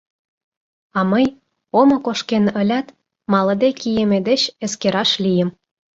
А мый, омо кошкен ылят, малыде кийыме деч эскераш лийым.